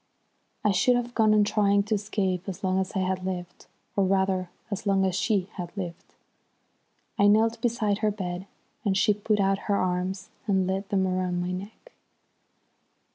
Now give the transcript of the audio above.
I should have gone on trying to escape as long as I had lived, or rather as long as she had lived. I knelt beside her bed and she put out her arms and laid them round my neck.